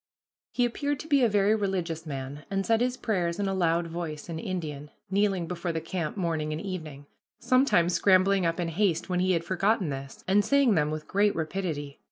He appeared to be a very religious man, and said his prayers in a loud voice, in Indian, kneeling before the camp, morning and evening sometimes scrambling up in haste when he had forgotten this, and saying them with great rapidity.